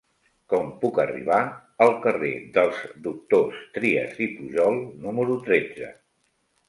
Com puc arribar al carrer dels Doctors Trias i Pujol número tretze?